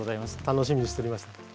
楽しみにしておりました。